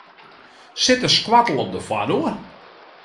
Sit de skoattel op de foardoar?